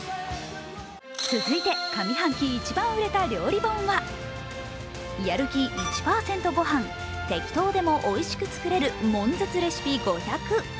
続いて上半期一番売れた料理本は「やる気１％ごはんテキトーでも美味しくつくれる悶絶レシピ５００」。